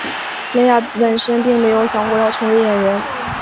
蕾雅本身并没有想过要成为演员。